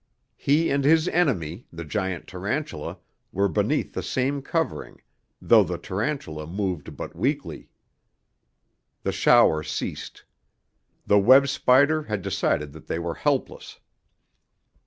He and his enemy, the giant tarantula, were beneath the same covering, though the tarantula moved but weakly. The shower ceased. The web spider had decided that they were helpless.